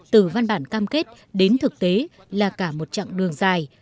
từ văn bản cam kết đến thực tế là cả một chặng đường dài